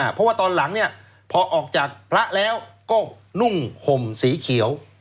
เพราะว่าตอนหลังเนี่ยพอออกจากพระแล้วก็นุ่งห่มสีเขียว